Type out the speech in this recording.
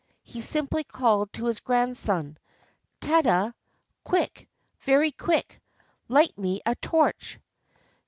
He simply called to his grandson: — "Tada! — quick, — very quick! ... Light me a torch."